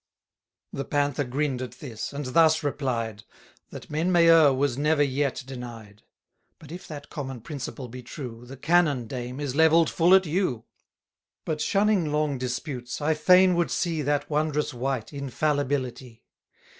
The Panther grinn'd at this, and thus replied: 60 That men may err was never yet denied. But, if that common principle be true, The canon, dame, is levell'd full at you. But, shunning long disputes, I fain would see That wondrous wight Infallibility.